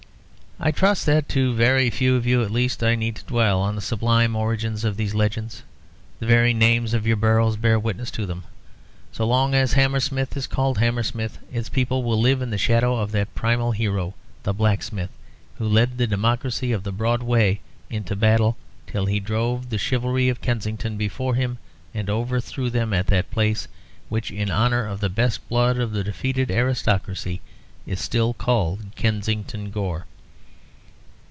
"I trust that to very few of you, at least, I need dwell on the sublime origins of these legends. The very names of your boroughs bear witness to them. So long as Hammersmith is called Hammersmith, its people will live in the shadow of that primal hero, the Blacksmith, who led the democracy of the Broadway into battle till he drove the chivalry of Kensington before him and overthrew them at that place which in honour of the best blood of the defeated aristocracy is still called Kensington Gore.